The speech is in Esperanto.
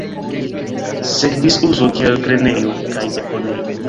Sekvis uzo kiel grenejo kaj deponejo.